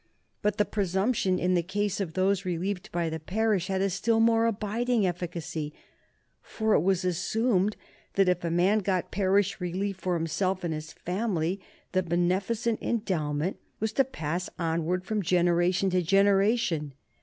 But the presumption in the case of those relieved by the parish had a still more abiding efficacy, for it was assumed that if a man got parish relief for himself and his family the beneficent endowment was to pass onward from generation to generation.